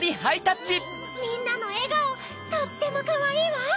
みんなのえがおとってもかわいいわ！